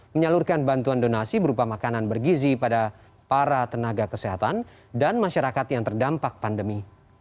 menyalurkan bantuan donasi berupa makanan bergizi pada para tenaga kesehatan dan masyarakat yang terdampak pandemi